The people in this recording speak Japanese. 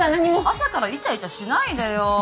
朝からイチャイチャしないでよ。